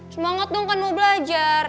semangat dong kan mau belajar